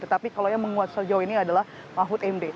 tetapi kalau yang menguat sejauh ini adalah mahfud md